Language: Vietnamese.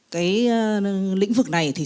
là một lĩnh vực tốt nhất